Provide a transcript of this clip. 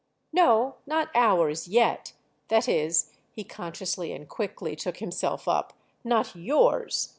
"No—not ours yet. That is"—he consciously and quickly took himself up—"not yours!